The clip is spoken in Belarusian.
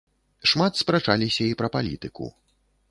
Шмат спрачаліся і пра палітыку.